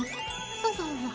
そうそうそうそう。